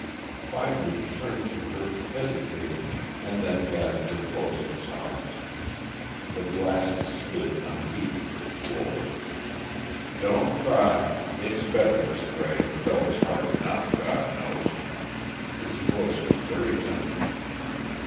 Finally he turned to her, hesitated, and then gathered her close in his arms. The glasses slid unheeded to the floor. "Don't cry it's better this way, though it's hard enough, God knows." His voice was very gentle.